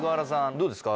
どうですか？